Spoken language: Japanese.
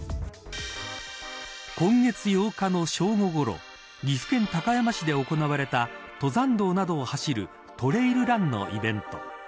今月８日の正午ごろ岐阜県高山市で行われた登山道などを走るトレイルランのイベント。